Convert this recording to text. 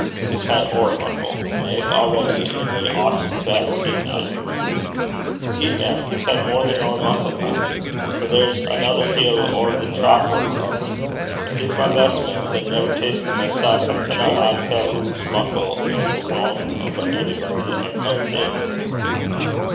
He's had ower muckle, Meg, already, an' ye oucht to hae seen that.' ''Deed, mem, he 's had mair than ower muckle, than; for there's anither gill ower the thrapple o' 'm. I div my best, mem, but, never tastin' mysel', I canna aye tell hoo muckle 's i' the wame o' a' body 'at comes in.'